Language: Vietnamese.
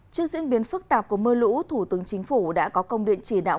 trước diễn biến phức tạp của mưa lũ thủ tướng chính phủ đã có công điện chỉ đạo